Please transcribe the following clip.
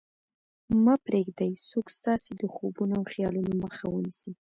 مه پرېږدئ څوک ستاسې د خوبونو او خیالونو مخه ونیسي